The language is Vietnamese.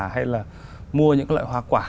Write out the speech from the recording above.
hay là mua những loại hoa quả